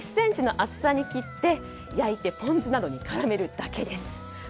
１ｃｍの厚さに切って、焼いてポン酢などに絡めるだけです。